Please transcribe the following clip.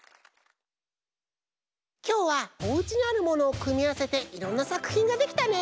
きょうはおうちにあるものをくみあわせていろんなさくひんができたね。